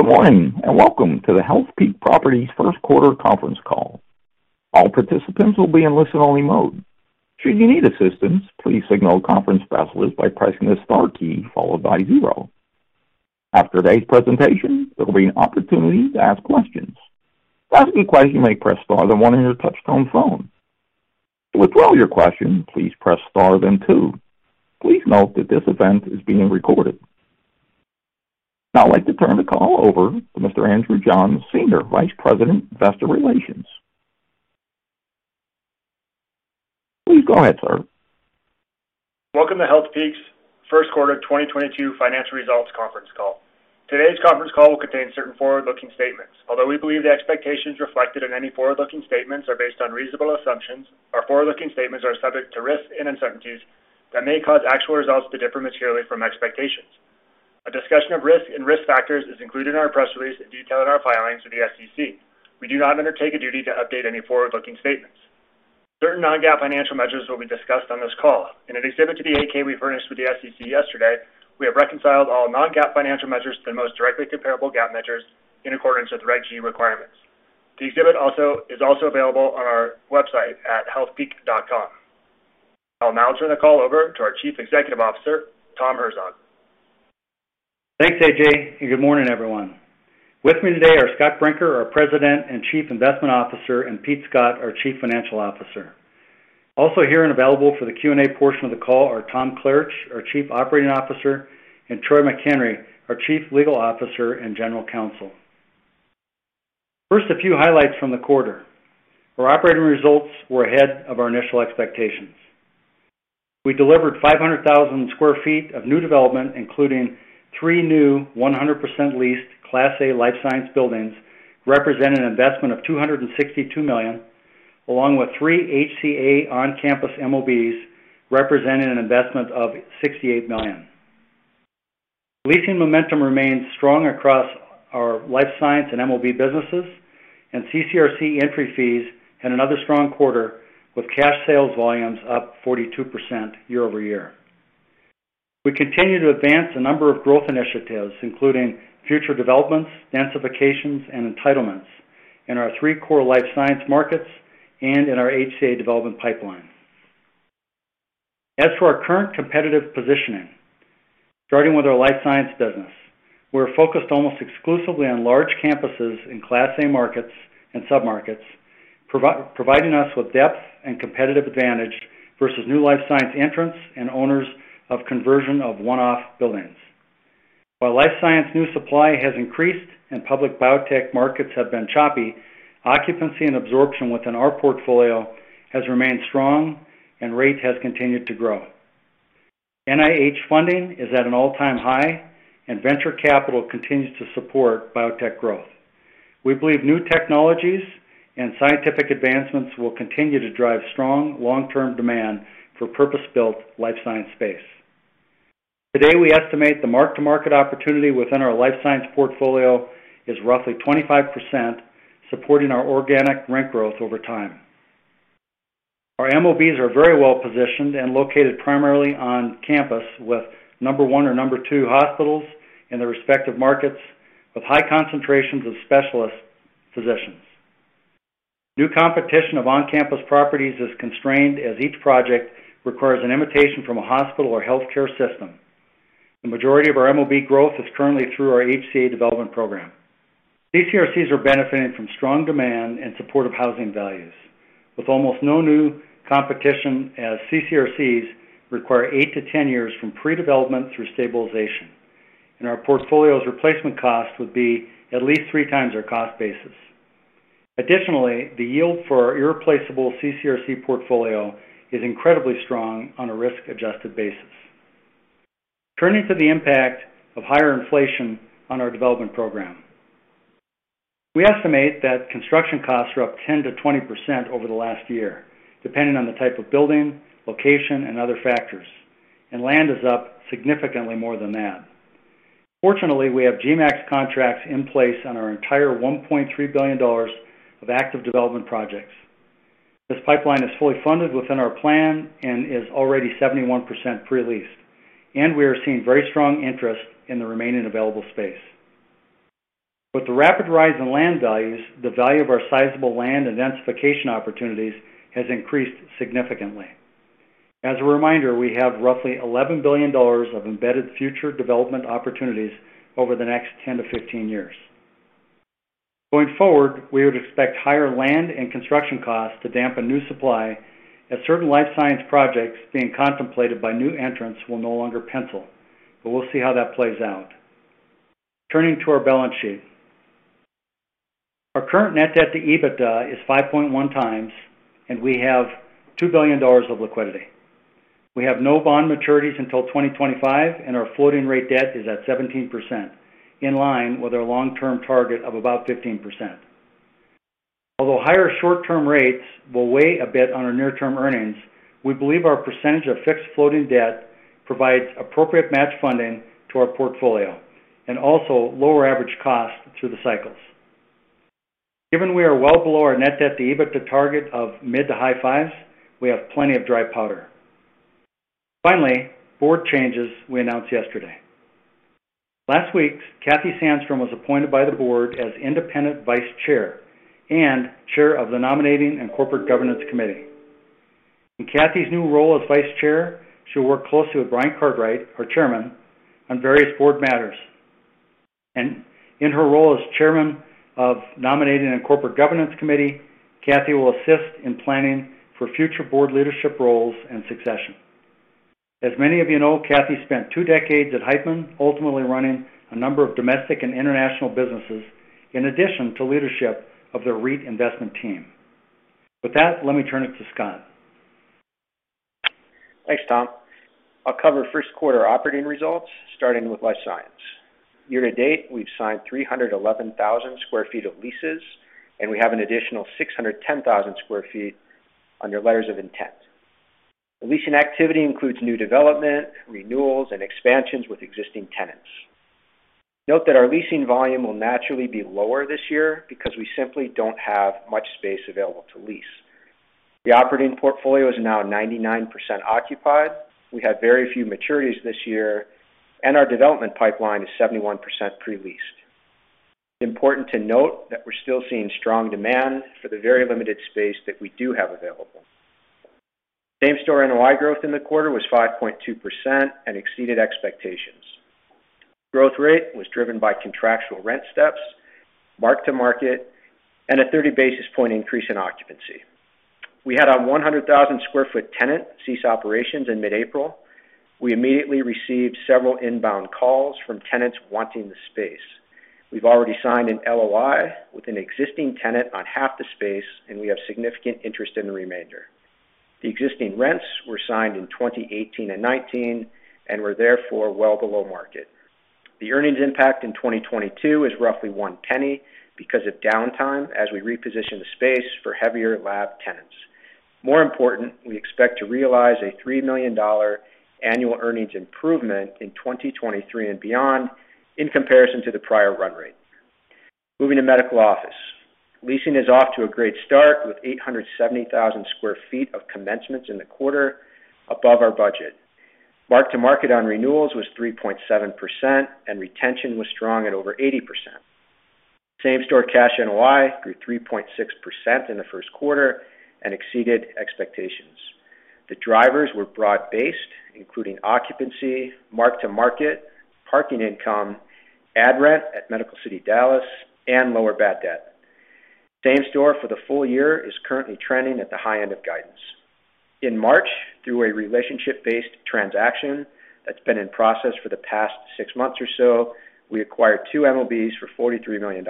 Good morning, and welcome to the Healthpeak Properties First Quarter Conference Call. All participants will be in listen-only mode. Should you need assistance, please signal a conference specialist by pressing the star key followed by zero. After today's presentation, there will be an opportunity to ask questions. To ask a question, you may press star, then one on your touch-tone phone. To withdraw your question, please press star, then two. Please note that this event is being recorded. Now I'd like to turn the call over to Mr. Andrew Johns, Senior Vice President, Investor Relations. Please go ahead, sir. Welcome to Healthpeak's first quarter 2022 financial results conference call. Today's conference call will contain certain forward-looking statements. Although we believe the expectations reflected in any forward-looking statements are based on reasonable assumptions, our forward-looking statements are subject to risks and uncertainties that may cause actual results to differ materially from expectations. A discussion of risks and risk factors is included in our press release and detailed in our filings with the SEC. We do not undertake a duty to update any forward-looking statements. Certain non-GAAP financial measures will be discussed on this call. In an exhibit to the 8-K we furnished with the SEC yesterday, we have reconciled all non-GAAP financial measures to the most directly comparable GAAP measures in accordance with Regulation G requirements. The exhibit is also available on our website at healthpeak.com. I'll now turn the call over to our Chief Executive Officer, Tom Herzog. Thanks AJ and good morning everyone. With me today are Scott Brinker, our President and Chief Investment Officer, and Pete Scott, our Chief Financial Officer. Also here and available for the Q&A portion of the call are Tom Klaritch, our Chief Operating Officer, and Troy McHenry, our Chief Legal Officer and General Counsel. First, a few highlights from the quarter. Our operating results were ahead of our initial expectations. We delivered 500,000 sq ft of new development, including three new 100% leased Class A life science buildings, representing an investment of $262 million, along with three HCA on-campus MOBs, representing an investment of $68 million. Leasing momentum remains strong across our life science and MOB businesses, and CCRC entry fees had another strong quarter, with cash sales volumes up 42% year-over-year. We continue to advance a number of growth initiatives, including future developments, densifications, and entitlements in our three core life science markets and in our HCA development pipeline. As for our current competitive positioning, starting with our life science business, we're focused almost exclusively on large campuses in Class A markets and submarkets, providing us with depth and competitive advantage versus new life science entrants and owners of conversion of one-off buildings. While life science new supply has increased and public biotech markets have been choppy, occupancy and absorption within our portfolio has remained strong and rate has continued to grow. NIH funding is at an all-time high, and venture capital continues to support biotech growth. We believe new technologies and scientific advancements will continue to drive strong long-term demand for purpose-built life science space. Today, we estimate the mark-to-market opportunity within our life science portfolio is roughly 25%, supporting our organic rent growth over time. Our MOBs are very well positioned and located primarily on campus with number one or number two hospitals in their respective markets with high concentrations of specialist physicians. New competition of on-campus properties is constrained as each project requires an invitation from a hospital or healthcare system. The majority of our MOB growth is currently through our HCA development program. CCRCs are benefiting from strong demand and supportive housing values, with almost no new competition as CCRCs require eight to 10 years from pre-development through stabilization, and our portfolio's replacement cost would be at least 3 times our cost basis. Additionally, the yield for our irreplaceable CCRC portfolio is incredibly strong on a risk-adjusted basis. Turning to the impact of higher inflation on our development program. We estimate that construction costs are up 10%-20% over the last year, depending on the type of building, location, and other factors, and land is up significantly more than that. Fortunately, we have GMP contracts in place on our entire $1.3 billion of active development projects. This pipeline is fully funded within our plan and is already 71% pre-leased, and we are seeing very strong interest in the remaining available space. With the rapid rise in land values, the value of our sizable land and densification opportunities has increased significantly. As a reminder, we have roughly $11 billion of embedded future development opportunities over the next 10-15 years. Going forward, we would expect higher land and construction costs to dampen new supply as certain life science projects being contemplated by new entrants will no longer pencil, but we'll see how that plays out. Turning to our balance sheet. Our current net debt to EBITDA is 5.1x, and we have $2 billion of liquidity. We have no bond maturities until 2025, and our floating rate debt is at 17%, in line with our long-term target of about 15%. Although higher short-term rates will weigh a bit on our near-term earnings, we believe our percentage of fixed floating debt provides appropriate match funding to our portfolio and also lower average cost through the cycles. Given we are well below our net debt to EBITDA target of mid to high fives, we have plenty of dry powder. Finally, board changes we announced yesterday. Last week, Kathy Sandstrom was appointed by the board as Independent Vice Chair and Chair of the Nominating and Corporate Governance Committee. In Kathy's new role as vice chair, she'll work closely with Brian Cartwright, our Chairman, on various board matters. In her role as Chair of the Nominating and Corporate Governance Committee, Kathy will assist in planning for future board leadership roles and succession. As many of you know, Kathy spent two decades at Heitman, ultimately running a number of domestic and international businesses, in addition to leadership of their REIT investment team. With that, let me turn it to Scott. Thanks, Tom. I'll cover first quarter operating results, starting with Life Science. Year to date, we've signed 311,000 sq ft of leases, and we have an additional 610,000 sq ft under letters of intent. The leasing activity includes new development, renewals, and expansions with existing tenants. Note that our leasing volume will naturally be lower this year because we simply don't have much space available to lease. The operating portfolio is now 99% occupied. We have very few maturities this year, and our development pipeline is 71% pre-leased. Important to note that we're still seeing strong demand for the very limited space that we do have available. Same-store NOI growth in the quarter was 5.2% and exceeded expectations. Growth rate was driven by contractual rent steps, mark-to-market, and a 30 basis point increase in occupancy. We had our 100,000 sq ft tenant cease operations in mid-April. We immediately received several inbound calls from tenants wanting the space. We've already signed an LOI with an existing tenant on half the space, and we have significant interest in the remainder. The existing rents were signed in 2018 and 2019 and were therefore well below market. The earnings impact in 2022 is roughly $0.01 because of downtime as we reposition the space for heavier lab tenants. More important, we expect to realize a $3 million annual earnings improvement in 2023 and beyond in comparison to the prior run rate. Moving to medical office. Leasing is off to a great start, with 870,000 sq ft of commencements in the quarter above our budget. Mark-to-market on renewals was 3.7%, and retention was strong at over 80%. Same-store cash NOI grew 3.6% in the first quarter and exceeded expectations. The drivers were broad-based, including occupancy, mark-to-market, parking income, and rent at Medical City Dallas, and lower bad debt. Same-store for the full year is currently trending at the high end of guidance. In March, through a relationship-based transaction that's been in process for the past six months or so, we acquired two MOBs for $43 million.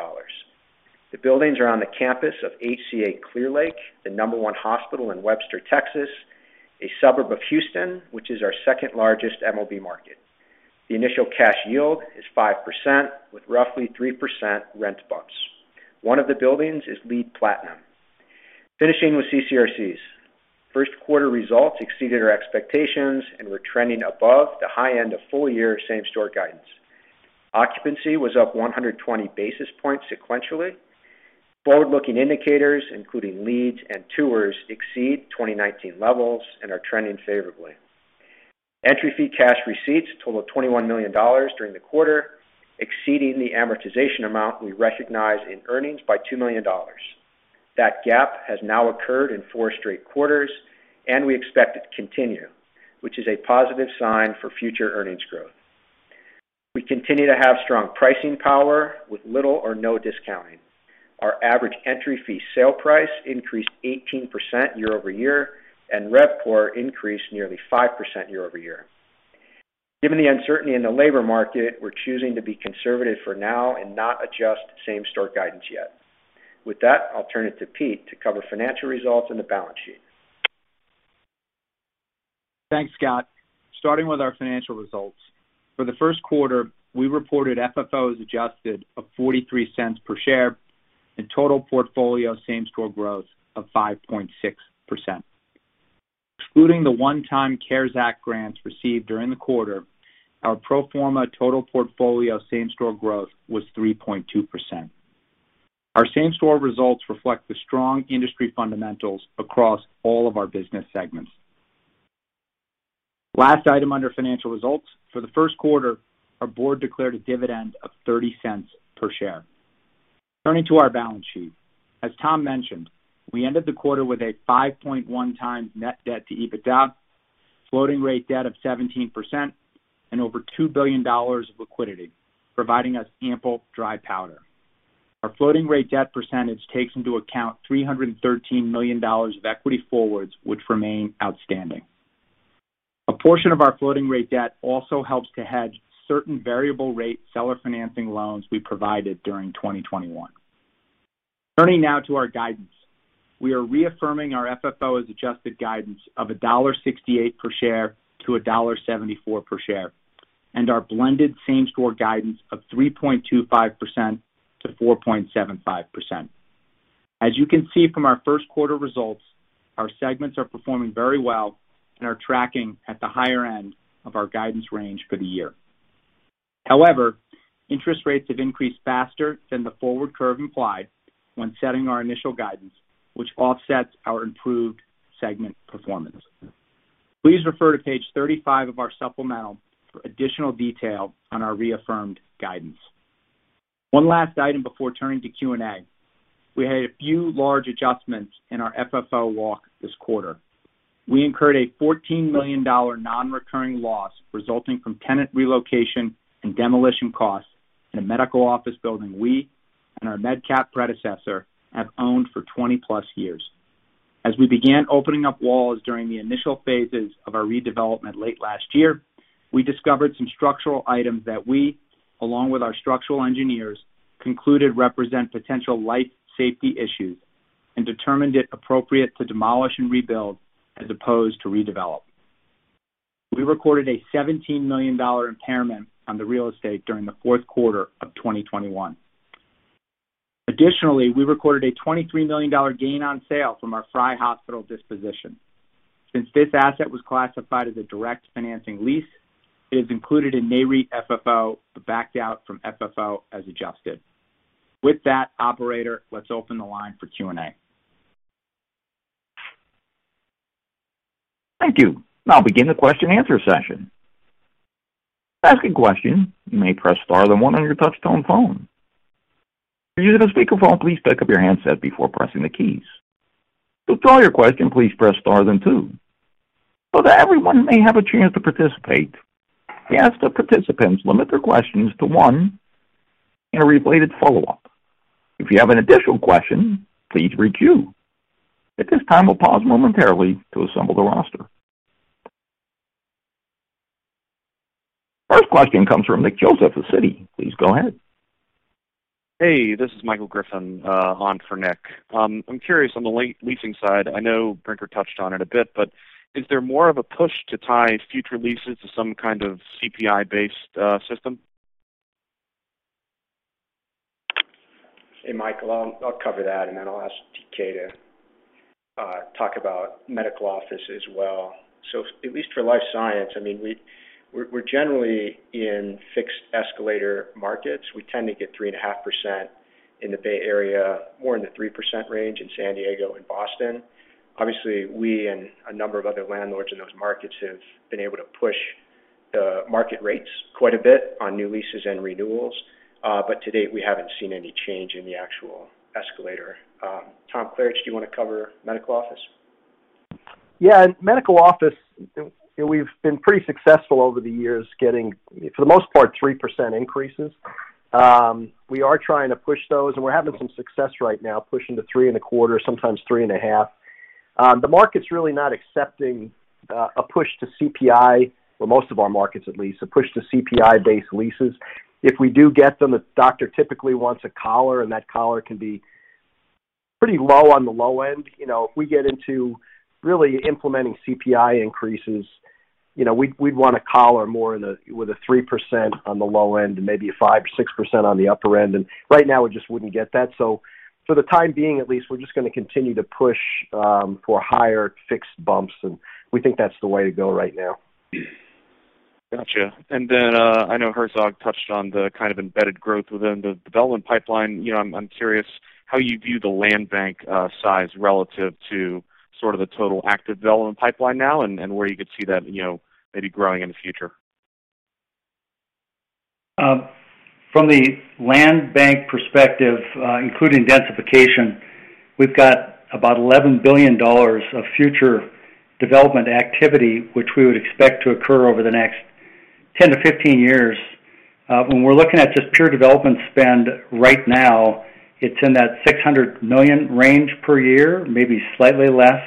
The buildings are on the campus of HCA Clear Lake, the number one hospital in Webster, Texas, a suburb of Houston, which is our second-largest MOB market. The initial cash yield is 5% with roughly 3% rent bumps. One of the buildings is LEED Platinum. Finishing with CCRCs. First quarter results exceeded our expectations and were trending above the high end of full-year same-store guidance. Occupancy was up 120 basis points sequentially. Forward-looking indicators, including leads and tours, exceed 2019 levels and are trending favorably. Entry fee cash receipts total of $21 million during the quarter, exceeding the amortization amount we recognize in earnings by $2 million. That gap has now occurred in four straight quarters, and we expect it to continue, which is a positive sign for future earnings growth. We continue to have strong pricing power with little or no discounting. Our average entry fee sale price increased 18% year-over-year, and RevPOR increased nearly 5% year-over-year. Given the uncertainty in the labor market, we're choosing to be conservative for now and not adjust same-store guidance yet. With that, I'll turn it to Pete to cover financial results and the balance sheet. Thanks, Scott. Starting with our financial results. For the first quarter, we reported FFO as adjusted of $0.43 per share and total portfolio same-store growth of 5.6%. Excluding the one-time CARES Act grants received during the quarter, our pro forma total portfolio same-store growth was 3.2%. Our same-store results reflect the strong industry fundamentals across all of our business segments. Last item under financial results, for the first quarter, our board declared a dividend of $0.30 per share. Turning to our balance sheet. As Tom mentioned, we ended the quarter with a 5.1x net debt to EBITDA, floating rate debt of 17%, and over $2 billion of liquidity, providing us ample dry powder. Our floating rate debt percentage takes into account $313 million of equity forwards, which remain outstanding. A portion of our floating rate debt also helps to hedge certain variable rate seller financing loans we provided during 2021. Turning now to our guidance. We are reaffirming our FFO as adjusted guidance of $1.68-$1.74 per share, and our blended same-store guidance of 3.25%-4.75%. As you can see from our first quarter results, our segments are performing very well and are tracking at the higher end of our guidance range for the year. However, interest rates have increased faster than the forward curve implied when setting our initial guidance, which offsets our improved segment performance. Please refer to page 35 of our supplemental for additional detail on our reaffirmed guidance. One last item before turning to Q&A. We had a few large adjustments in our FFO walk this quarter. We incurred a $14 million non-recurring loss resulting from tenant relocation and demolition costs in a medical office building we and our MedCap predecessor have owned for 20+ years. As we began opening up walls during the initial phases of our redevelopment late last year, we discovered some structural items that we, along with our structural engineers, concluded represent potential life safety issues and determined it appropriate to demolish and rebuild as opposed to redevelop. We recorded a $17 million impairment on the real estate during the fourth quarter of 2021. Additionally, we recorded a $23 million gain on sale from our Frye Regional Medical Center disposition. Since this asset was classified as a direct financing lease, it is included in Nareit FFO, but backed out from FFO as adjusted. With that operator, let's open the line for Q&A. Thank you. I'll begin the question and answer session. To ask a question, you may press star then one on your touchtone phone. If you're using a speakerphone, please pick up your handset before pressing the keys. To withdraw your question, please press star then two. That everyone may have a chance to participate, we ask that participants limit their questions to one and a related follow-up. If you have an additional question, please queue. At this time, we'll pause momentarily to assemble the roster. First question comes from Nick Joseph of Citi. Please go ahead. Hey, this is Michael Griffin on for Nick. I'm curious on the leasing side, I know Brinker touched on it a bit, but is there more of a push to tie future leases to some kind of CPI-based system? Hey, Michael. I'll cover that, and then I'll ask TK to talk about medical office as well. At least for life science, I mean, we're generally in fixed escalator markets. We tend to get 3.5% in the Bay Area, more in the 3% range in San Diego and Boston. Obviously, we and a number of other landlords in those markets have been able to push the market rates quite a bit on new leases and renewals. To date, we haven't seen any change in the actual escalator. Tom Klaritch, do you wanna cover medical office? Yeah. In medical office, we've been pretty successful over the years getting, for the most part, 3% increases. We are trying to push those, and we're having some success right now pushing to 3.25%, sometimes 3.5%. The market's really not accepting a push to CPI, or most of our markets at least, a push to CPI-based leases. If we do get them, the doctor typically wants a collar, and that collar can be pretty low on the low end. You know, if we get into really implementing CPI increases, you know, we'd want a collar more in the, with a 3% on the low end and maybe a 5% or 6% on the upper end. Right now, we just wouldn't get that. For the time being at least, we're just gonna continue to push for higher fixed bumps, and we think that's the way to go right now. Gotcha. I know Herzog touched on the kind of embedded growth within the development pipeline. You know, I'm curious how you view the land bank size relative to sort of the total active development pipeline now and where you could see that, you know, maybe growing in the future. From the land bank perspective, including densification, we've got about $11 billion of future development activity, which we would expect to occur over the next 10-15 years. When we're looking at just pure development spend right now, it's in that $600 million range per year, maybe slightly less.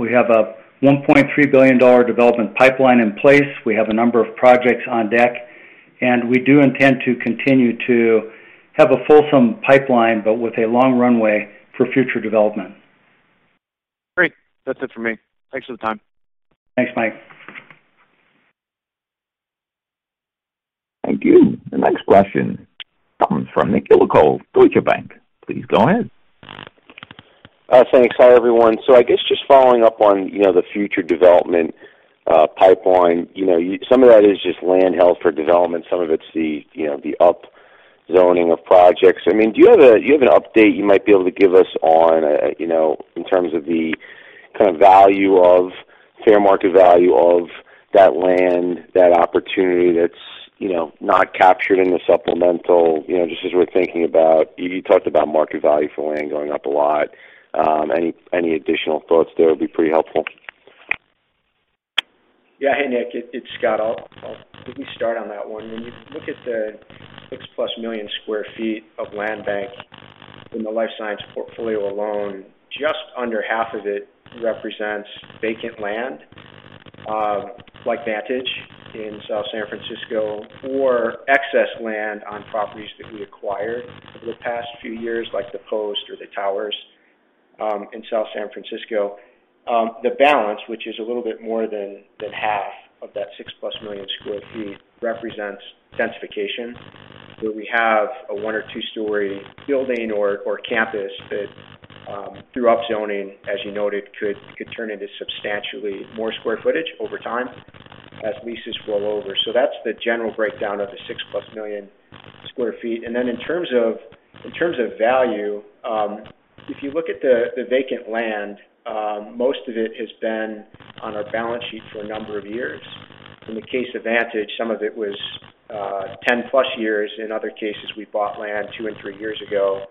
We have a $1.3 billion development pipeline in place. We have a number of projects on deck, and we do intend to continue to have a fulsome pipeline, but with a long runway for future development. Great. That's it for me. Thanks for the time. Thanks, Mike. Thank you. The next question comes from Nick Yulico, Deutsche Bank. Please go ahead. Thanks. Hi, everyone. I guess just following up on, you know, the future development pipeline. You know, some of that is just land held for development. Some of it's the, you know, the up zoning of projects. I mean, do you have an update you might be able to give us on, you know, in terms of the kind of fair market value of that land, that opportunity that's, you know, not captured in the supplemental. You know, just as we're thinking about. You talked about market value for land going up a lot. Any additional thoughts there would be pretty helpful. Yeah. Hey, Nick. It's Scott. Let me start on that one. When you look at the 6+ million sq ft of land bank in the Life Science Portfolio alone, just under half of it represents vacant land, like Vantage in South San Francisco or excess land on properties that we acquired over the past few years, like The Post or The Towers, in South San Francisco. The balance, which is a little bit more than half of that 6-plus million sq ft represents densification. Where we have a one- or two-story building or campus that through up zoning, as you noted, could turn into substantially more square footage over time as leases roll over. That's the general breakdown of the 6+ million sq ft. In terms of value, if you look at the vacant land, most of it has been on our balance sheet for a number of years. In the case of Vantage, some of it was 10+ years. In other cases, we bought land two and three years ago,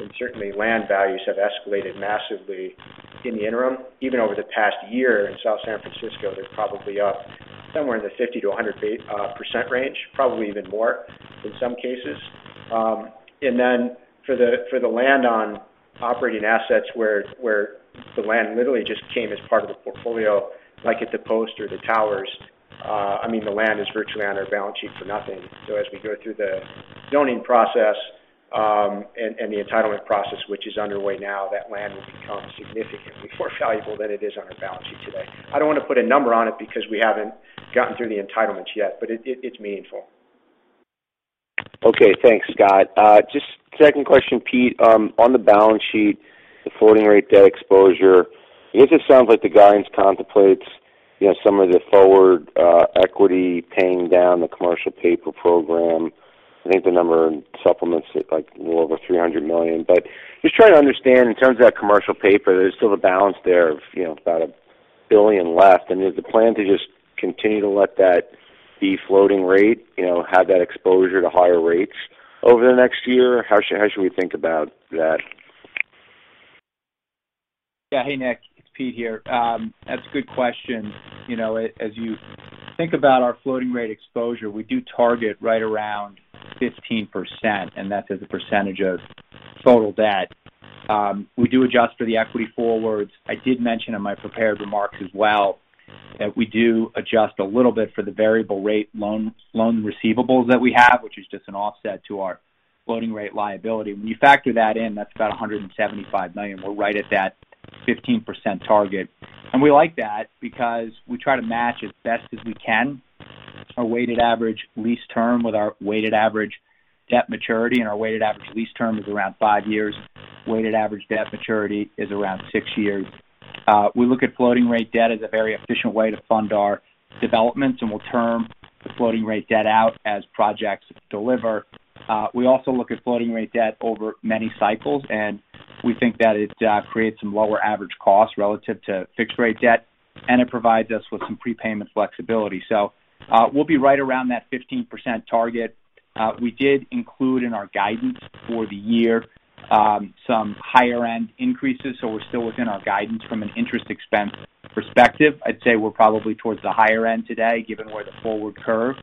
and certainly land values have escalated massively in the interim. Even over the past year in South San Francisco, they're probably up somewhere in the 50%-100% range, probably even more in some cases. For the land on operating assets where the land literally just came as part of the portfolio, like at The Post or The Towers, I mean, the land is virtually on our balance sheet for nothing. As we go through the zoning process and the entitlement process, which is underway now, that land will become significantly more valuable than it is on our balance sheet today. I don't wanna put a number on it because we haven't gotten through the entitlements yet, but it's meaningful. Okay. Thanks, Scott. Just second question, Pete. On the balance sheet, the floating rate debt exposure, I guess it sounds like the guidance contemplates, you know, some of the forward equity paying down the commercial paper program. I think the number in supplements is, like, a little over $300 million. But just trying to understand in terms of that commercial paper, there's still a balance there of, you know, about $1 billion left. Is the plan to just continue to let that be floating rate, you know, have that exposure to higher rates over the next year? How should we think about that? Yeah. Hey, Nick. It's Pete here. That's a good question. You know, as you think about our floating rate exposure, we do target right around 15%, and that's as a percentage of total debt. We do adjust for the equity forwards. I did mention in my prepared remarks as well that we do adjust a little bit for the variable rate loans, loan receivables that we have, which is just an offset to our floating rate liability. When you factor that in, that's about $175 million. We're right at that 15% target. We like that because we try to match as best as we can our weighted average lease term with our weighted average debt maturity, and our weighted average lease term is around five years. Weighted average debt maturity is around six years. We look at floating rate debt as a very efficient way to fund our developments, and we'll term the floating rate debt out as projects deliver. We also look at floating rate debt over many cycles, and we think that it creates some lower average costs relative to fixed rate debt, and it provides us with some prepayment flexibility. We'll be right around that 15% target. We did include in our guidance for the year some higher-end increases, so we're still within our guidance from an interest expense perspective. I'd say we're probably towards the higher end today, given where the forward curve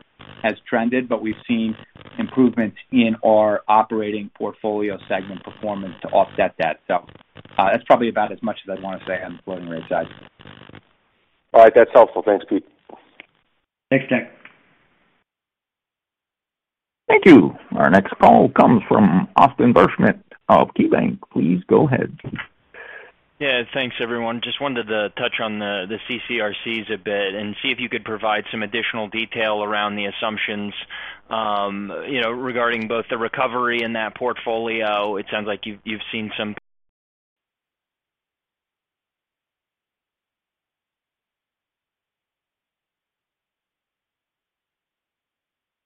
has trended, but we've seen improvements in our operating portfolio segment performance to offset that. That's probably about as much as I'd wanna say on the floating rate side. All right. That's helpful. Thanks, Pete. Thanks, Nick. Thank you. Our next call comes from Austin Wurschmidt of KeyBank. Please go ahead. Yeah. Thanks everyone. Just wanted to touch on the CCRCs a bit and see if you could provide some additional detail around the assumptions, you know, regarding both the recovery in that portfolio. It sounds like you've seen some.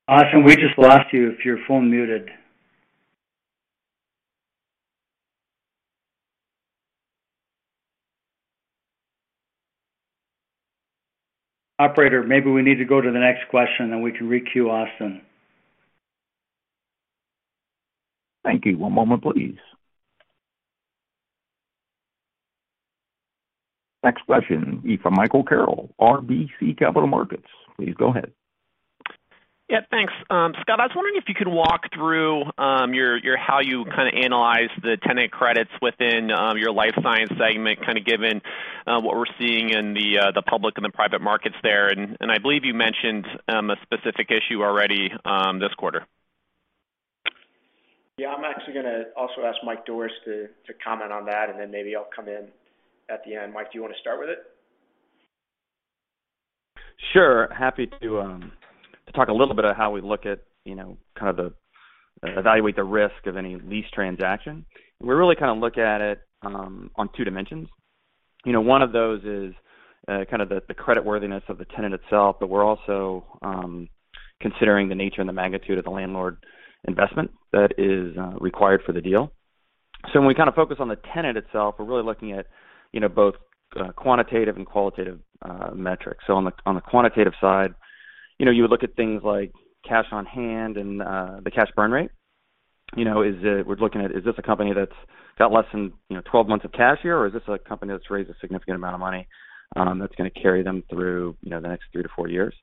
Austin, we just lost you if your phone muted. Operator, maybe we need to go to the next question, then we can re-queue Austin. Thank you. One moment, please. Next question will be from Michael Carroll, RBC Capital Markets. Please go ahead. Yeah. Thanks. Scott, I was wondering if you could walk through how you kinda analyze the tenant credits within your life science segment, kinda given what we're seeing in the public and the private markets there. I believe you mentioned a specific issue already this quarter. Yeah. I'm actually gonna also ask Mike Dorris to comment on that, and then maybe I'll come in at the end. Mike, do you wanna start with it? Sure. Happy to talk a little bit of how we look at, you know, kind of evaluate the risk of any lease transaction. We really kinda look at it on two dimensions. You know, one of those is kind of the creditworthiness of the tenant itself, but we're also considering the nature and the magnitude of the landlord investment that is required for the deal. When we kind of focus on the tenant itself, we're really looking at, you know, both quantitative and qualitative metrics. On the quantitative side, you know, you would look at things like cash on hand and the cash burn rate. You know, we're looking at, is this a company that's got less than, you know, 12 months of cash here, or is this a company that's raised a significant amount of money, that's gonna carry them through, you know, the next three to four years?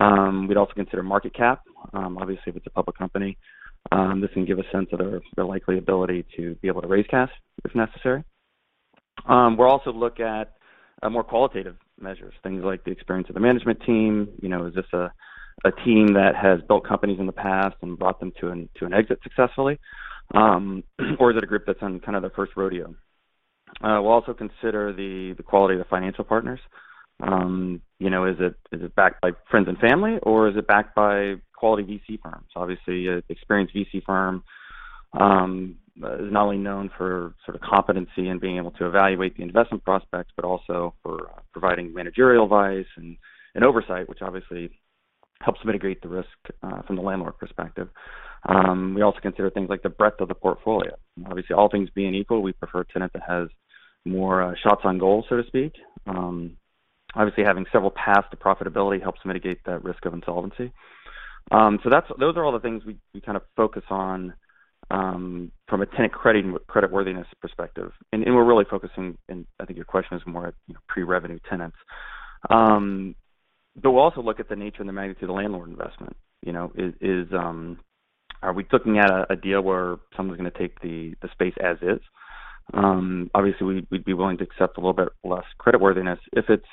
We'd also consider market cap, obviously, if it's a public company. This can give a sense of their likely ability to be able to raise cash if necessary. We'll also look at more qualitative measures, things like the experience of the management team. You know, is this a team that has built companies in the past and brought them to an exit successfully? Or is it a group that's on kind of their first rodeo? We'll also consider the quality of the financial partners. You know, is it backed by friends and family, or is it backed by quality VC firms? Obviously, an experienced VC firm is not only known for sort of competency and being able to evaluate the investment prospects, but also for providing managerial advice and oversight, which obviously helps mitigate the risk from the landlord perspective. We also consider things like the breadth of the portfolio. Obviously, all things being equal, we prefer a tenant that has more shots on goal, so to speak. Obviously, having several paths to profitability helps mitigate the risk of insolvency. Those are all the things we kind of focus on from a tenant creditworthiness perspective. We're really focusing in. I think your question is more at pre-revenue tenants. We'll also look at the nature and the magnitude of the landlord investment. You know, are we looking at a deal where someone's gonna take the space as is? Obviously, we'd be willing to accept a little bit less creditworthiness if it's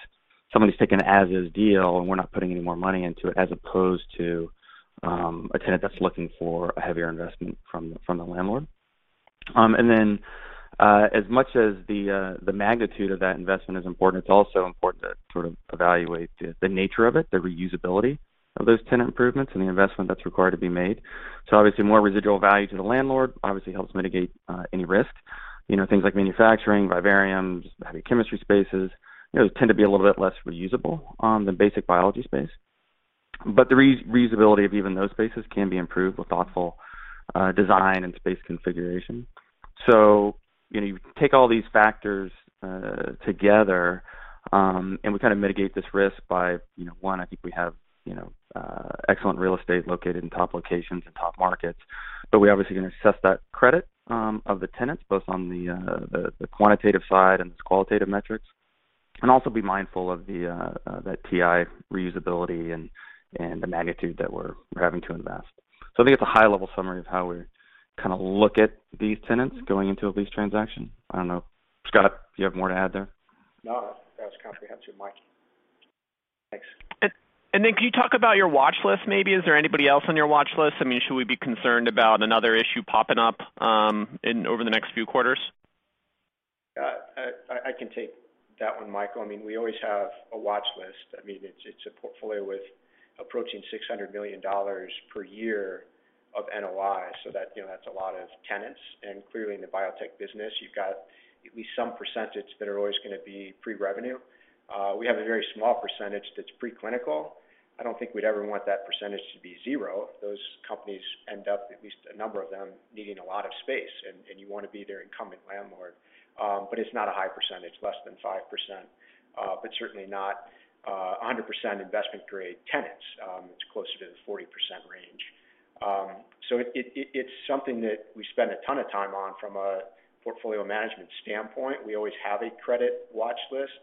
somebody's taking an as is deal, and we're not putting any more money into it, as opposed to a tenant that's looking for a heavier investment from the landlord. As much as the magnitude of that investment is important, it's also important to sort of evaluate the nature of it, the reusability of those tenant improvements and the investment that's required to be made. Obviously, more residual value to the landlord obviously helps mitigate any risk. You know, things like manufacturing, vivariums, heavy chemistry spaces, you know, tend to be a little bit less reusable than basic biology space. The reusability of even those spaces can be improved with thoughtful design and space configuration. You know, you take all these factors together and we kind of mitigate this risk by, you know, one, I think we have, you know, excellent real estate located in top locations and top markets. We're obviously gonna assess that credit of the tenants, both on the quantitative side and its qualitative metrics. Also be mindful of that TI reusability and the magnitude that we're having to invest. I think it's a high-level summary of how we kind of look at these tenants going into a lease transaction. I don't know. Scott, do you have more to add there? No. That was comprehensive, Mike. Thanks. Can you talk about your watch list maybe? Is there anybody else on your watch list? I mean, should we be concerned about another issue popping up in or over the next few quarters? I can take that one, Michael. I mean, we always have a watch list. I mean, it's a portfolio with approaching $600 million per year of NOI, so you know, that's a lot of tenants. Clearly in the biotech business, you've got at least some percentage that are always gonna be pre-revenue. We have a very small percentage that's preclinical. I don't think we'd ever want that percentage to be zero. Those companies end up, at least a number of them, needing a lot of space, and you wanna be their incumbent landlord. But it's not a high percentage, less than 5%. But certainly not 100% investment-grade tenants. It's closer to the 40% range. It's something that we spend a ton of time on from a portfolio management standpoint. We always have a credit watch list.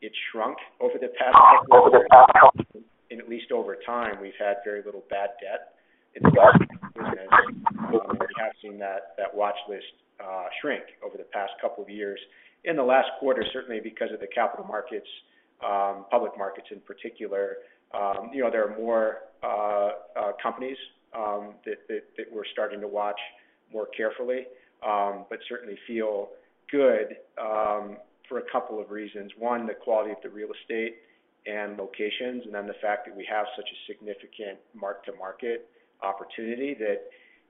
It shrunk over the past couple of years. At least over time, we've had very little bad debt in the last few years. We're forecasting that watch list shrink over the past couple of years. In the last quarter, certainly because of the capital markets, public markets in particular, you know, there are more companies that we're starting to watch more carefully. Certainly feel good for a couple of reasons. One, the quality of the real estate and locations, and then the fact that we have such a significant mark-to-market opportunity, that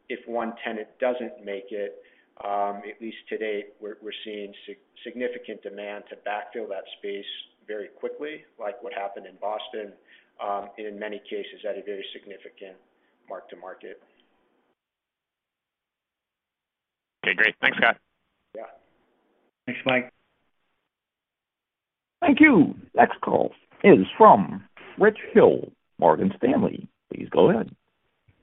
if one tenant doesn't make it, at least to date, we're seeing significant demand to backfill that space very quickly, like what happened in Boston, in many cases at a very significant mark-to-market. Okay, great. Thanks, Scott. Yeah. Thanks, Mike. Thank you. Next call is from Richard Hill, Morgan Stanley. Please go ahead.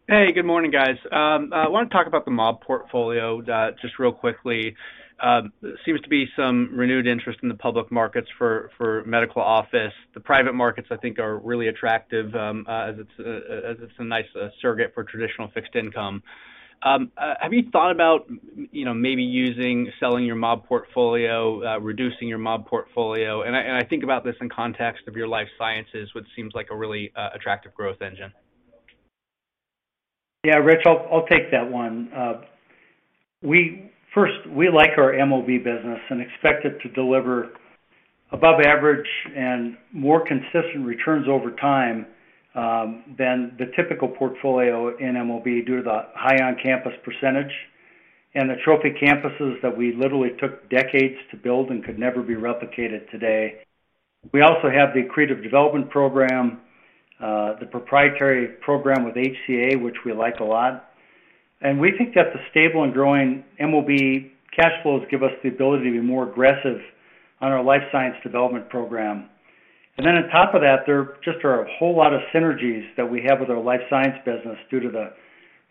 Hey, good morning guys. I want to talk about the MOB portfolio just real quickly. There seems to be some renewed interest in the public markets for medical office. The private markets, I think are really attractive as it's a nice surrogate for traditional fixed income. Have you thought about, you know, maybe selling your MOB portfolio, reducing your MOB portfolio? I think about this in context of your life sciences, which seems like a really attractive growth engine. Yeah, Rich, I'll take that one. First, we like our MOB business and expect it to deliver above average and more consistent returns over time, than the typical portfolio in MOB, due to the high on-campus percentage and the trophy campuses that we literally took decades to build and could never be replicated today. We also have the creative development program, the proprietary program with HCA, which we like a lot. We think that the stable and growing MOB cash flows give us the ability to be more aggressive on our life science development program. Then on top of that, there just are a whole lot of synergies that we have with our life science business due to the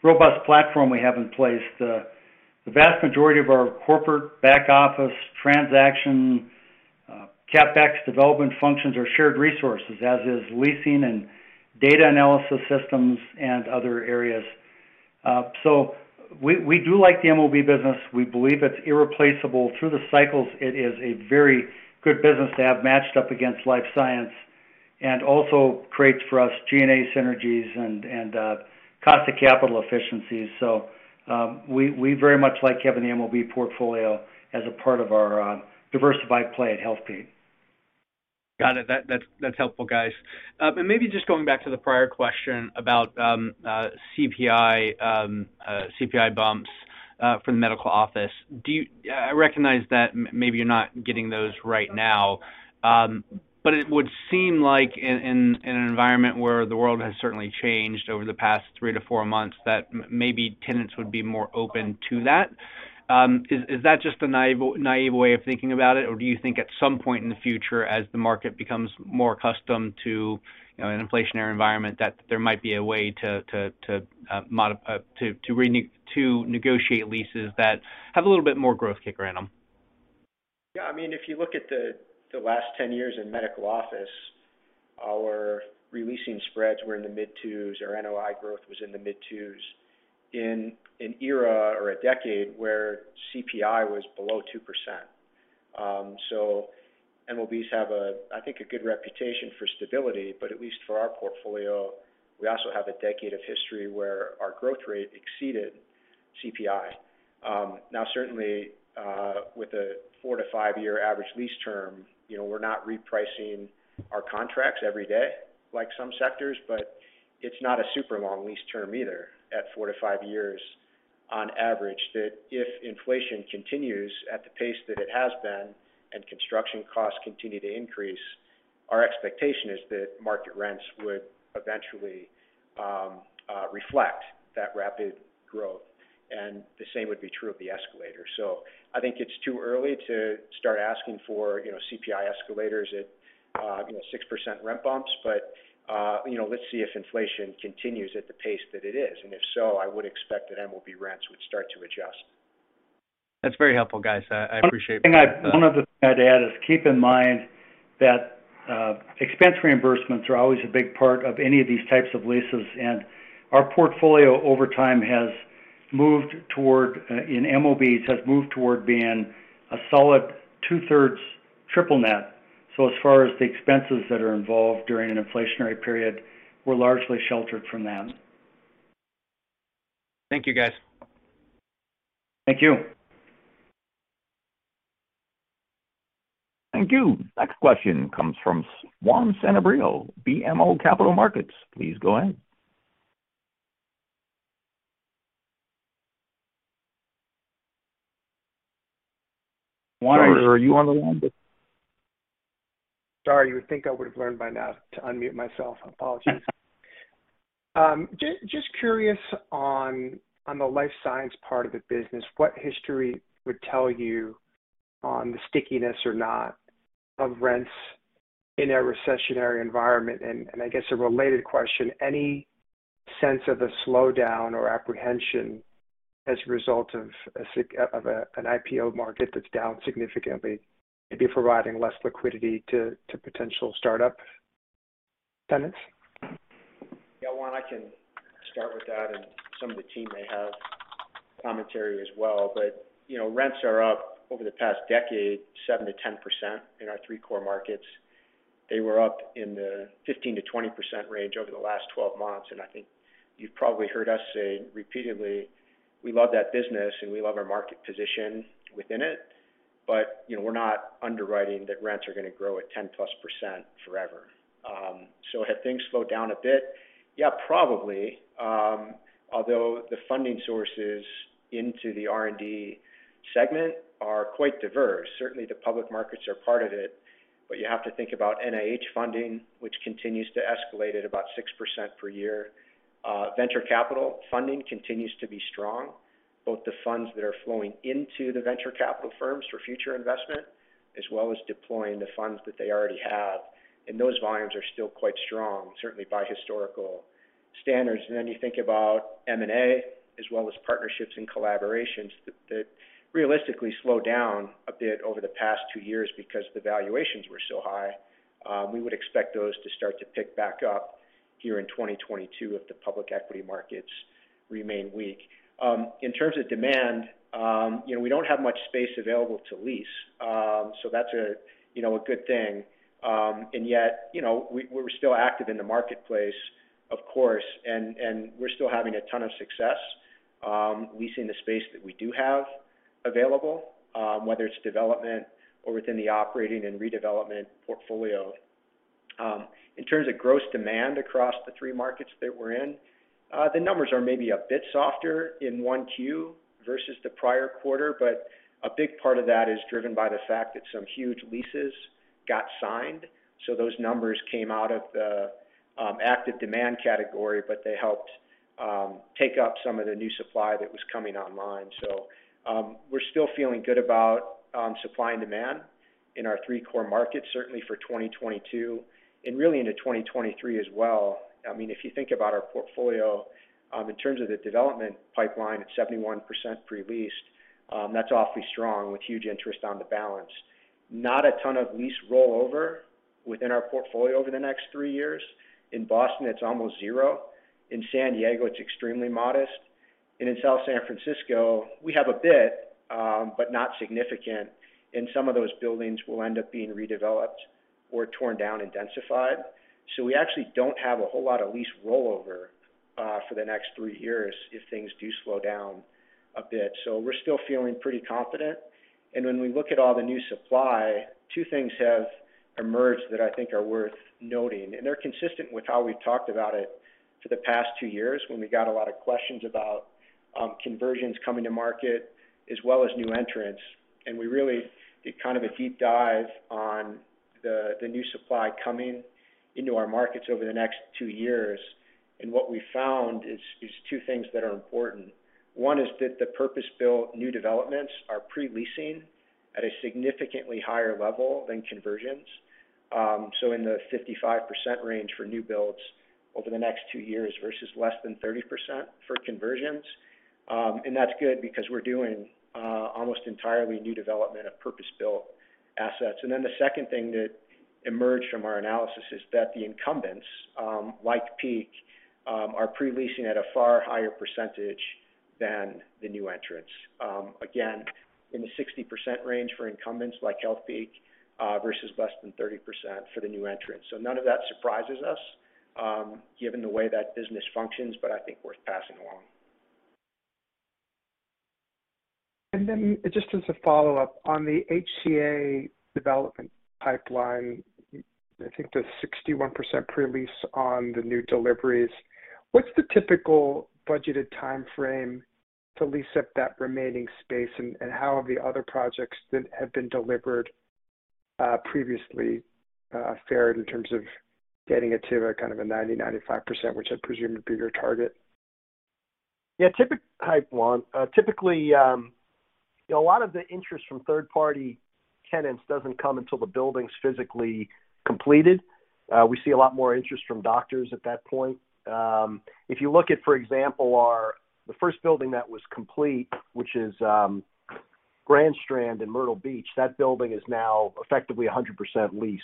robust platform we have in place. The vast majority of our corporate back office transaction, CapEx development functions are shared resources, as is leasing and data analysis systems and other areas. We do like the MOB business. We believe it's irreplaceable. Through the cycles, it is a very good business to have matched up against life science. Also creates for us G&A synergies and cost of capital efficiencies. We very much like having the MOB portfolio as a part of our diversified play at Healthpeak. Got it. That's helpful, guys. Maybe just going back to the prior question about CPI bumps for the medical office. I recognize that maybe you're not getting those right now, but it would seem like in an environment where the world has certainly changed over the past three to four months, that maybe tenants would be more open to that. Is that just a naive way of thinking about it? Or do you think at some point in the future, as the market becomes more accustomed to, you know, an inflationary environment, that there might be a way to negotiate leases that have a little bit more growth kicker in them? Yeah. I mean, if you look at the last 10 years in medical office, our re-leasing spreads were in the mid-twos, our NOI growth was in the mid-twos in an era or a decade where CPI was below 2%. MOBs have a, I think, a good reputation for stability, but at least for our portfolio, we also have a decade of history where our growth rate exceeded CPI. Now certainly, with a four to five-year average lease term, you know, we're not repricing our contracts every day like some sectors, but it's not a super long lease term either at four to five years on average, that if inflation continues at the pace that it has been and construction costs continue to increase, our expectation is that market rents would eventually reflect that rapid growth, and the same would be true of the escalator. I think it's too early to start asking for, you know, CPI escalators at, you know, 6% rent bumps. You know, let's see if inflation continues at the pace that it is, and if so, I would expect that MOB rents would start to adjust. That's very helpful, guys. I appreciate. One of the thing I'd add is keep in mind that, expense reimbursements are always a big part of any of these types of leases. Our portfolio over time has moved toward in MOBs being a solid two-thirds triple net. As far as the expenses that are involved during an inflationary period, we're largely sheltered from them. Thank you, guys. Thank you. Thank you. Next question comes from Juan Sanabria, BMO Capital Markets. Please go ahead. Juan, are you on the line? Sorry, you would think I would have learned by now to unmute myself. Apologies. Just curious on the life science part of the business, what history would tell you on the stickiness or not of rents in a recessionary environment? I guess a related question, any sense of a slowdown or apprehension as a result of an IPO market that's down significantly, maybe providing less liquidity to potential startup tenants? Yeah. Juan, I can start with that, and some of the team may have commentary as well. You know, rents are up over the past decade, 7%-10% in our three core markets. They were up in the 15%-20% range over the last 12 months. I think you've probably heard us say repeatedly, we love that business and we love our market position within it. You know, we're not underwriting that rents are gonna grow at 10%+ forever. Have things slowed down a bit? Yeah, probably. Although the funding sources into the R&D segment are quite diverse. Certainly, the public markets are part of it. You have to think about NIH funding, which continues to escalate at about 6% per year. Venture capital funding continues to be strong, both the funds that are flowing into the venture capital firms for future investment, as well as deploying the funds that they already have. Those volumes are still quite strong, certainly by historical standards. Then you think about M&A as well as partnerships and collaborations that realistically slowed down a bit over the past two years because the valuations were so high. We would expect those to start to pick back up here in 2022 if the public equity markets remain weak. In terms of demand, you know, we don't have much space available to lease. So that's, you know, a good thing. Yet, you know, we're still active in the marketplace, of course, and we're still having a ton of success leasing the space that we do have available, whether it's development or within the operating and redevelopment portfolio. In terms of gross demand across the three markets that we're in, the numbers are maybe a bit softer in 1Q versus the prior quarter, but a big part of that is driven by the fact that some huge leases got signed. Those numbers came out of the active demand category, but they helped take up some of the new supply that was coming online. We're still feeling good about supply and demand in our three core markets, certainly for 2022 and really into 2023 as well. I mean, if you think about our portfolio, in terms of the development pipeline at 71% pre-leased, that's awfully strong with huge interest on the balance. Not a ton of lease rollover within our portfolio over the next three years. In Boston, it's almost zero. In San Diego, it's extremely modest. In South San Francisco, we have a bit, but not significant, and some of those buildings will end up being redeveloped or torn down and densified. We actually don't have a whole lot of lease rollover for the next three years if things do slow down a bit. We're still feeling pretty confident. When we look at all the new supply, two things have emerged that I think are worth noting, and they're consistent with how we've talked about it for the past two years when we got a lot of questions about conversions coming to market as well as new entrants. We really did kind of a deep dive on the new supply coming into our markets over the next two years. What we found is two things that are important. One is that the purpose-built new developments are pre-leasing at a significantly higher level than conversions. In the 55% range for new builds over the next two years versus less than 30% for conversions. That's good because we're doing almost entirely new development of purpose-built assets. Then the second thing that emerged from our analysis is that the incumbents, like Healthpeak, are pre-leasing at a far higher percentage than the new entrants. Again, in the 60% range for incumbents like Healthpeak versus less than 30% for the new entrants. None of that surprises us, given the way that business functions, but I think worth passing along. Just as a follow-up, on the HCA development pipeline, I think the 61% pre-lease on the new deliveries, what's the typical budgeted timeframe to lease up that remaining space? How have the other projects that have been delivered previously fared in terms of getting it to a kind of a 90%-95%, which I presume would be your target? Yeah. Hi, Juan. Typically, a lot of the interest from third-party tenants doesn't come until the building's physically completed. We see a lot more interest from doctors at that point. If you look at, for example, our the first building that was complete, which is Grand Strand in Myrtle Beach, that building is now effectively 100% leased.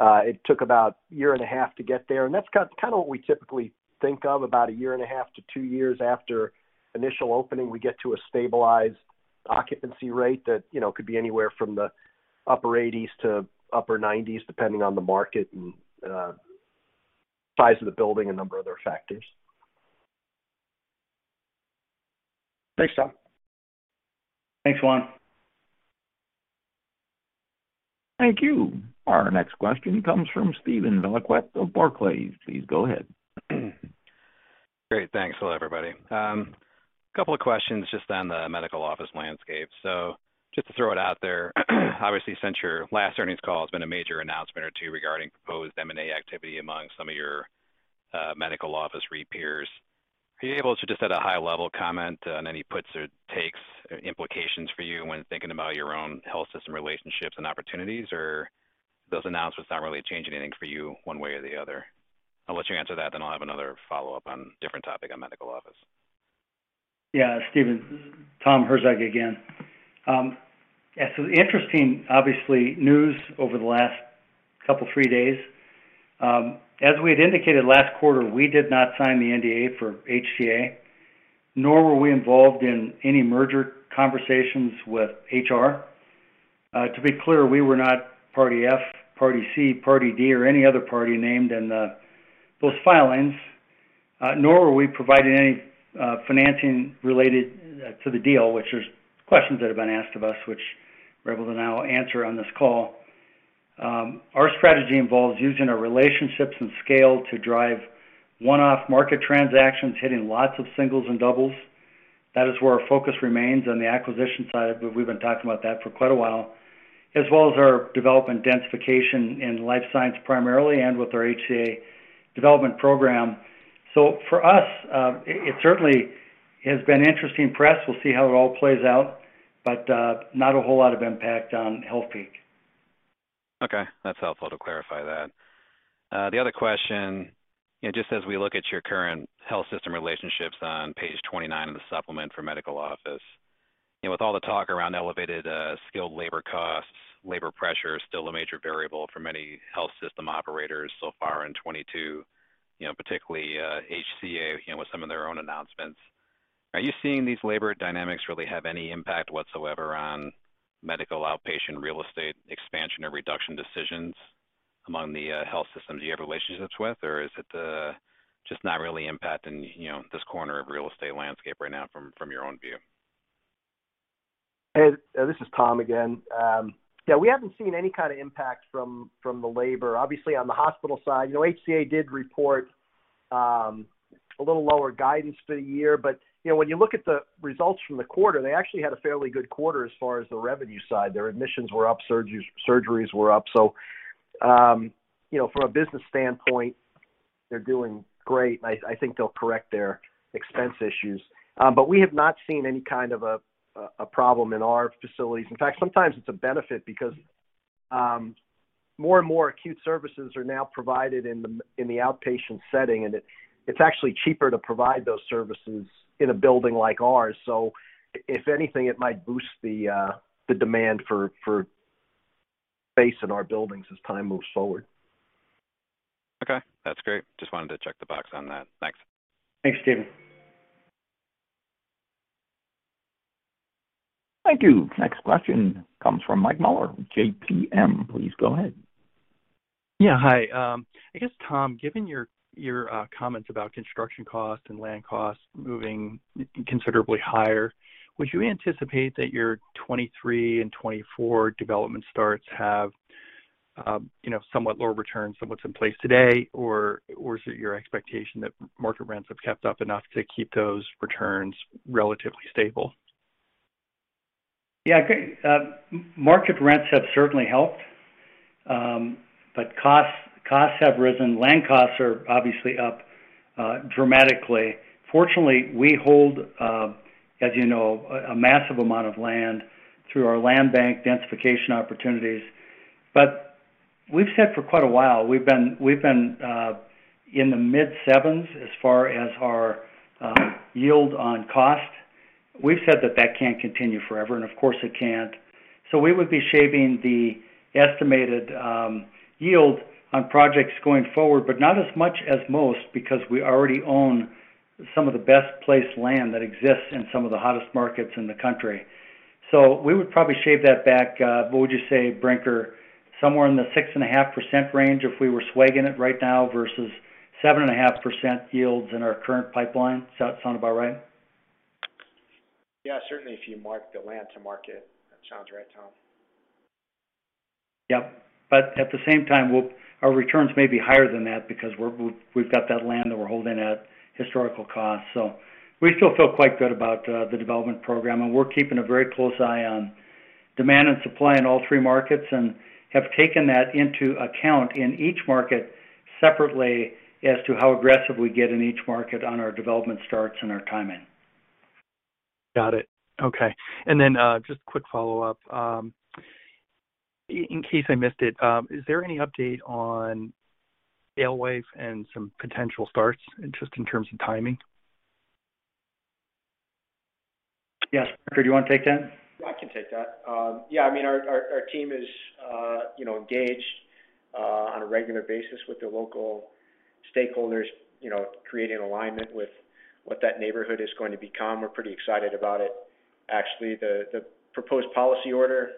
It took about a year and a half to get there, and that's kind of what we typically think of about a year and a half to two years after initial opening, we get to a stabilized occupancy rate that, you know, could be anywhere from the upper 80s% to upper 90s%, depending on the market and size of the building and number of other factors. Thanks, Tom. Thanks, Juan. Thank you. Our next question comes from Steven Valiquette of Barclays. Please go ahead. Great. Thanks. Hello everybody. A couple of questions just on the medical office landscape. Just to throw it out there, obviously, since your last earnings call, there's been a major announcement or two regarding proposed M&A activity among some of your medical office REIT peers. Are you able to just at a high level comment on any puts or takes implications for you when thinking about your own health system relationships and opportunities? Or those announcements not really change anything for you one way or the other? I'll let you answer that, then I'll have another follow-up on different topic on medical office. Yeah, Steven. Tom Herzog again. Interesting, obviously, news over the last couple three days. As we had indicated last quarter, we did not sign the NDA for HCA, nor were we involved in any merger conversations with HR. To be clear, we were not party F, party C, party D, or any other party named in those filings, nor were we providing any financing related to the deal, which there's questions that have been asked of us, which we're able to now answer on this call. Our strategy involves using our relationships and scale to drive one-off market transactions, hitting lots of singles and doubles. That is where our focus remains on the acquisition side, but we've been talking about that for quite a while, as well as our development densification in life science primarily and with our HCA development program. For us, it certainly has been interesting press. We'll see how it all plays out, but not a whole lot of impact on Healthpeak. Okay. That's helpful to clarify that. The other question, you know, just as we look at your current health system relationships on page 29 of the supplement for medical office. You know, with all the talk around elevated, skilled labor costs, labor pressure is still a major variable for many health system operators so far in 2022, you know, particularly, HCA, you know, with some of their own announcements. Are you seeing these labor dynamics really have any impact whatsoever on medical outpatient real estate expansion or reduction decisions among the, health systems you have relationships with? Or is it, just not really impacting, you know, this corner of real estate landscape right now from, your own view? This is Tom again. We haven't seen any kind of impact from the labor. Obviously, on the hospital side, you know, HCA did report a little lower guidance for the year. When you look at the results from the quarter, they actually had a fairly good quarter as far as the revenue side. Their admissions were up, surgeries were up. From a business standpoint, they're doing great. I think they'll correct their expense issues. We have not seen any kind of a problem in our facilities. In fact, sometimes it's a benefit because more and more acute services are now provided in the outpatient setting, and it's actually cheaper to provide those services in a building like ours. If anything, it might boost the demand for space in our buildings as time moves forward. Okay. That's great. Just wanted to check the box on that. Thanks. Thanks, Steven. Thank you. Next question comes from Michael Mueller with JPMorgan. Please go ahead. Yeah. Hi. I guess, Tom, given your comments about construction costs and land costs moving considerably higher, would you anticipate that your 2023 and 2024 development starts have, you know, somewhat lower returns than what's in place today? Or is it your expectation that market rents have kept up enough to keep those returns relatively stable? Yeah. Great. Market rents have certainly helped. Costs have risen. Land costs are obviously up dramatically. Fortunately, we hold, as you know, a massive amount of land through our land bank densification opportunities. We've said for quite a while, we've been in the mid-sevens as far as our yield on cost. We've said that can't continue forever, and of course it can't. We would be shaving the estimated yield on projects going forward, but not as much as most because we already own some of the best placed land that exists in some of the hottest markets in the country. We would probably shave that back, what would you say, Brinker, somewhere in the 6.5% range if we were swagging it right now versus 7.5% yields in our current pipeline. Sound about right? Yeah. Certainly, if you mark the land to market. That sounds right, Tom. Yep. At the same time, our returns may be higher than that because we've got that land that we're holding at historical cost. We still feel quite good about the development program, and we're keeping a very close eye on demand and supply in all three markets and have taken that into account in each market separately as to how aggressive we get in each market on our development starts and our timing. Got it. Okay. Just quick follow-up. In case I missed it, is there any update on Alewife and some potential starts just in terms of timing? Yes. Brinker, do you wanna take that? I can take that. Yeah, I mean, our team is, you know, engaged on a regular basis with the local stakeholders, you know, creating alignment with what that neighborhood is going to become. We're pretty excited about it. Actually, the proposed policy order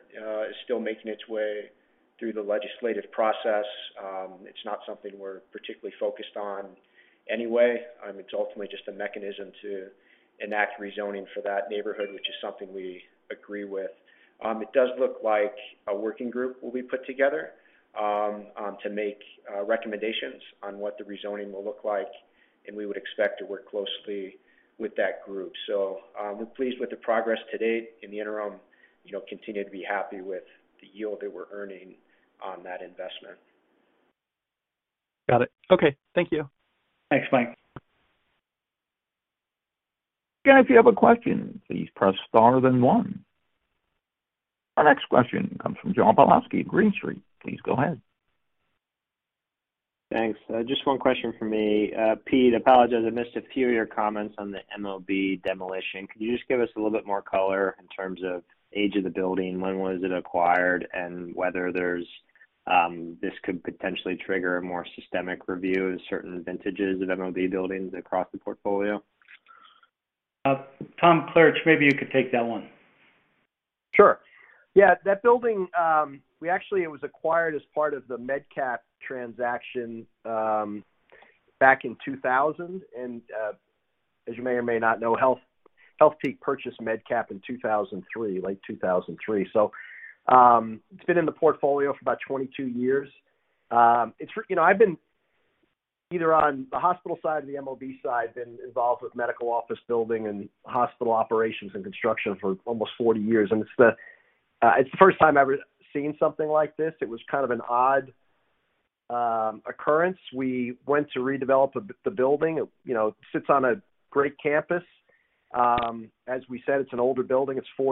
is still making its way through the legislative process. It's not something we're particularly focused on anyway. It's ultimately just a mechanism to enact rezoning for that neighborhood, which is something we agree with. It does look like a working group will be put together to make recommendations on what the rezoning will look like, and we would expect to work closely with that group. We're pleased with the progress to date. In the interim, you know, continue to be happy with the yield that we're earning on that investment. Got it. Okay. Thank you. Thanks, Mike. Again, if you have a question, please press star then one. Our next question comes from John Pawlowski at Green Street. Please go ahead. Thanks. Just one question for me. Pete, I apologize. I missed a few of your comments on the MOB demolition. Could you just give us a little bit more color in terms of age of the building, when was it acquired, and whether there's this could potentially trigger a more systemic review of certain vintages of MOB buildings across the portfolio? Tom Klaritch, maybe you could take that one. Sure. Yeah, that building, it was acquired as part of the MedCap transaction, back in 2000. As you may or may not know, Healthpeak purchased MedCap in 2003, late 2003. It's been in the portfolio for about 22 years. You know, I've been either on the hospital side or the MOB side, been involved with medical office building and hospital operations and construction for almost 40 years, and it's the first time I've ever seen something like this. It was kind of an odd occurrence. We went to redevelop the building. It, you know, sits on a great campus. As we said, it's an older building. It's a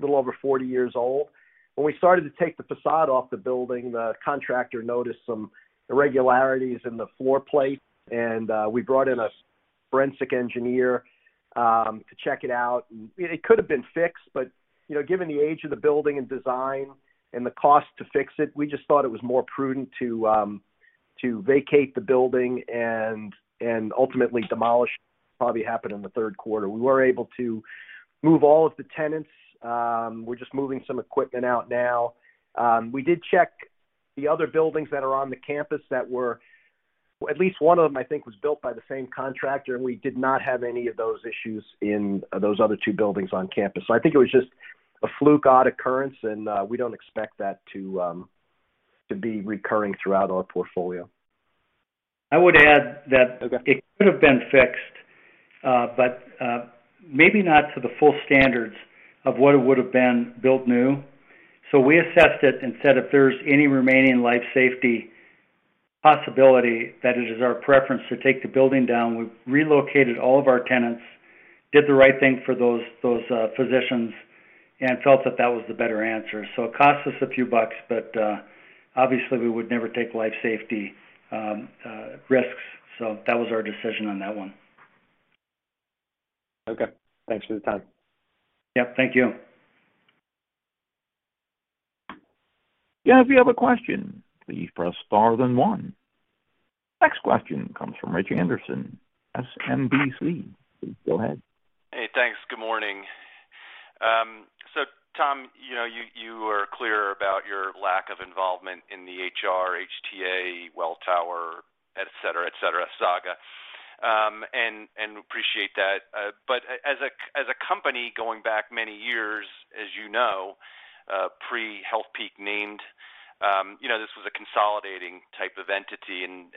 little over 40 years old. When we started to take the facade off the building, the contractor noticed some irregularities in the floor plate and we brought in a forensic engineer to check it out. It could have been fixed, but you know, given the age of the building and design and the cost to fix it, we just thought it was more prudent to vacate the building and ultimately demolish. Probably happen in the third quarter. We were able to move all of the tenants. We're just moving some equipment out now. We did check the other buildings that are on the campus. At least one of them, I think, was built by the same contractor, and we did not have any of those issues in those other two buildings on campus. I think it was just a fluke, odd occurrence, and we don't expect that to be recurring throughout our portfolio. I would add that. Okay. It could have been fixed, but maybe not to the full standards of what it would have been built new. We assessed it and said if there's any remaining life safety possibility, that it is our preference to take the building down. We've relocated all of our tenants, did the right thing for those physicians, and felt that that was the better answer. It cost us a few bucks, but obviously we would never take life safety risks. That was our decision on that one. Okay. Thanks for the time. Yep. Thank you. Yeah, if you have a question, please press Star then one. Next question comes from Richard Anderson, SMBC. Please go ahead. Hey, thanks. Good morning. So Tom, you know, you were clear about your lack of involvement in the HR, HTA, Welltower, et cetera, et cetera saga, and appreciate that. But as a company going back many years, as you know, pre-Healthpeak name, you know, this was a consolidating type of entity and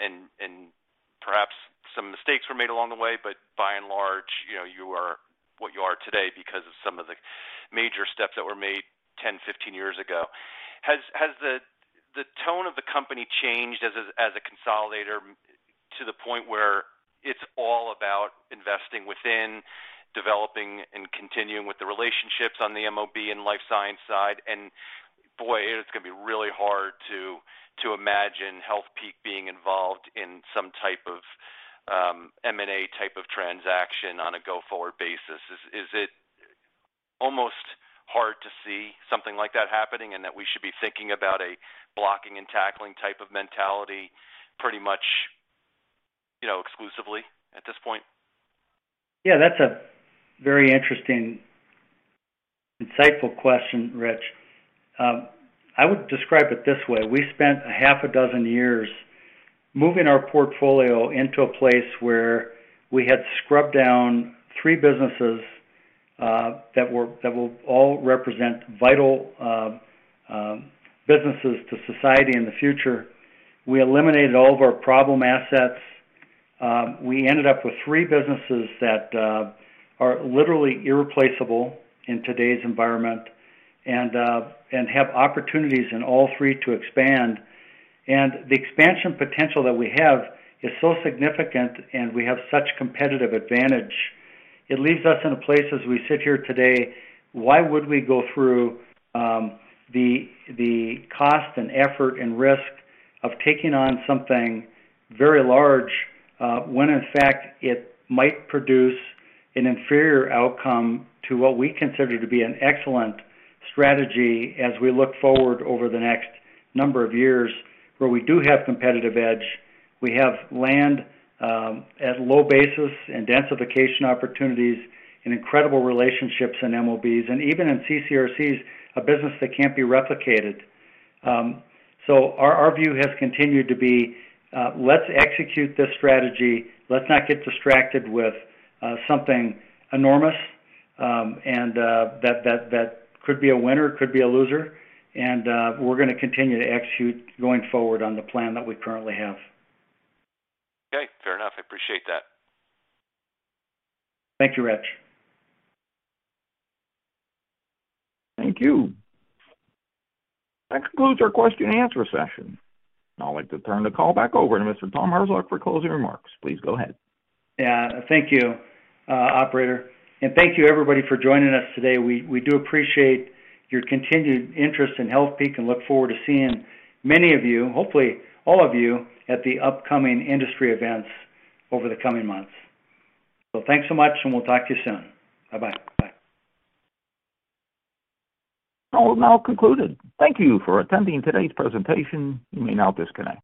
perhaps some mistakes were made along the way, but by and large, you know, you are what you are today because of some of the major steps that were made 10, 15 years ago. Has the tone of the company changed as a consolidator to the point where it's all about investing within, developing and continuing with the relationships on the MOB and life science side? Boy, it's gonna be really hard to imagine Healthpeak being involved in some type of M&A type of transaction on a go-forward basis. Is it almost hard to see something like that happening and that we should be thinking about a blocking and tackling type of mentality pretty much, you know, exclusively at this point? Yeah, that's a very interesting, insightful question, Rich. I would describe it this way. We spent six years moving our portfolio into a place where we had scrubbed down three businesses that will all represent vital businesses to society in the future. We eliminated all of our problem assets. We ended up with three businesses that are literally irreplaceable in today's environment and have opportunities in all three to expand. The expansion potential that we have is so significant and we have such competitive advantage, it leaves us in a place as we sit here today. Why would we go through the cost and effort and risk of taking on something very large, when in fact it might produce an inferior outcome to what we consider to be an excellent strategy as we look forward over the next number of years where we do have competitive edge, we have land at low basis and densification opportunities and incredible relationships in MOBs, and even in CCRCs, a business that can't be replicated. Our view has continued to be, let's execute this strategy. Let's not get distracted with something enormous, and that could be a winner, could be a loser, and we're gonna continue to execute going forward on the plan that we currently have. Okay, fair enough. I appreciate that. Thank you, Rich. Thank you. That concludes our question and answer session. I'd like to turn the call back over to Mr. Tom Herzog for closing remarks. Please go ahead. Yeah. Thank you, operator, and thank you everybody for joining us today. We do appreciate your continued interest in Healthpeak and look forward to seeing many of you, hopefully all of you, at the upcoming industry events over the coming months. Thanks so much, and we'll talk to you soon. Bye-bye. Call now concluded. Thank you for attending today's presentation. You may now disconnect.